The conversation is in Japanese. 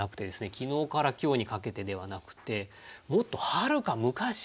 昨日から今日にかけてではなくてもっとはるか昔から。